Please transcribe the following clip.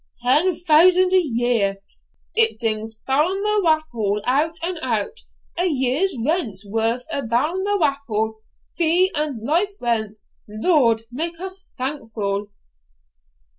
Ten thousand a year! it dings Balmawhapple out and out a year's rent's worth a' Balmawhapple, fee and life rent! Lord make us thankful!'